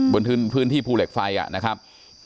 บนพื้นที่ภูเหล็กไฟนะครับ